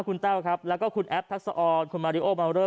คุณแต้วครับแล้วก็คุณแอฟทักษะออนคุณมาริโอมาวเลอร์